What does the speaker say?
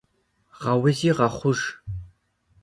Гъэузи гъэхъуж.